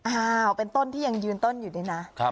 อ้าวเป็นต้นที่ยังยืนต้นอยู่ด้วยนะ